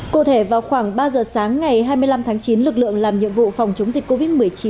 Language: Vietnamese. cụ thể vào khoảng ba giờ sáng ngày hai mươi năm tháng chín lực lượng làm nhiệm vụ phòng chống dịch covid một mươi chín